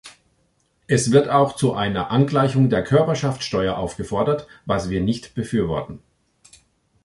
Es wird auch zu einer Angleichung der Körperschaftssteuer aufgefordert, was wir nicht befürworten.